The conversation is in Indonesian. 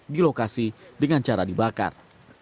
di lokasi dengan cara dibakar